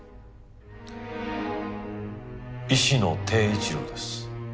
石野貞一郎です。